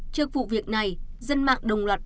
trước vụ việc này dân mạng đồng loạt bệnh